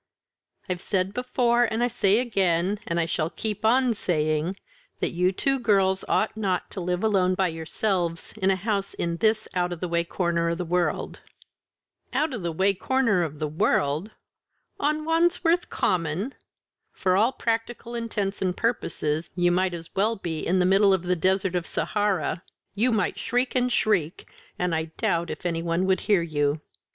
"I've said before, and I say again, and I shall keep on saying, that you two girls ought not to live alone by yourselves in a house in this out of the way corner of the world." "Out of the way corner of the world! on Wandsworth Common!" "For all practical intents and purposes you might as well be in the middle of the Desert of Sahara; you might shriek and shriek and I doubt if any one would hear you.